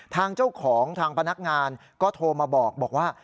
ทางเจ้าของทางพนักงานก็โทรมาบอกว่า